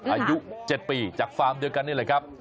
อายุ๗ปีจากฟาร์มเดียวกันนี่แหละครับ